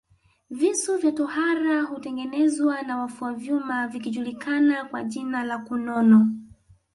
Visu vya tohara hutengenezwa na wafua chuma vikijulikana kwa jina la kunono